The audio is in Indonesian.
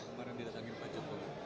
kemarin di datangin pancasila